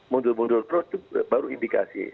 mundur mundur baru indikasi